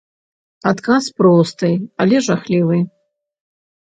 Адказ просты, але жахлівы.